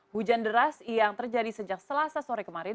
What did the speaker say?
hujan deras yang terjadi sejak selasa sore kemarin